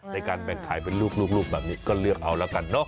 ในการแบ่งขายเป็นลูกแบบนี้ก็เลือกเอาแล้วกันเนอะ